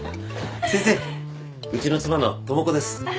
先生うちの妻の朋子です。